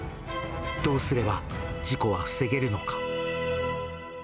どうすれば事故は防げるのか。